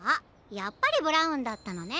やっぱりブラウンだったのね。